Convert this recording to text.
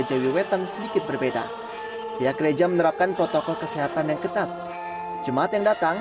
jawiwetan sedikit berbeda ya gereja menerapkan protokol kesehatan yang ketat jemaat yang datang